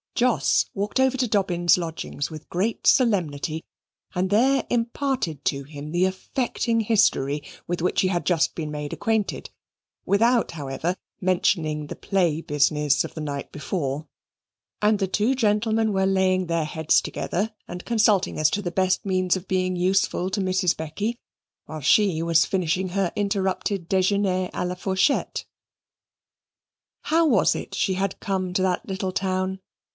Jos walked over to Dobbin's lodgings with great solemnity and there imparted to him the affecting history with which he had just been made acquainted, without, however, mentioning the play business of the night before. And the two gentlemen were laying their heads together and consulting as to the best means of being useful to Mrs. Becky, while she was finishing her interrupted dejeuner a la fourchette. How was it that she had come to that little town?